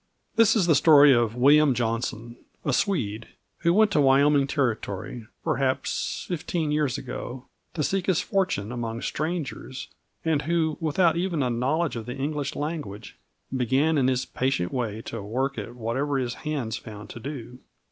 This is the story of William Johnson, a Swede, who went to Wyoming Territory, perhaps fifteen years ago, to seek his fortune among strangers, and who, without even a knowledge of the English language, began in his patient way to work at whatever his hands found to do.